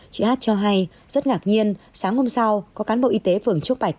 chị hát cho hay rất ngạc nhiên sáng hôm sau có cán bộ y tế phường trúc bạch